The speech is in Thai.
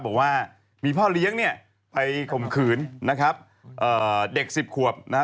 บอกว่ามีพ่อเลี้ยงเนี่ยไปข่มขืนนะครับเอ่อเด็กสิบขวบนะฮะ